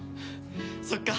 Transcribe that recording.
そっか。